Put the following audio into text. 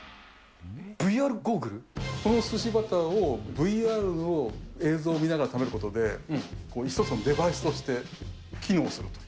このすしバターをＶＲの映像を見ながら食べることで、一つのデバイスとして機能すると。